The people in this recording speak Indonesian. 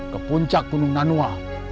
ke puncak gunung nanua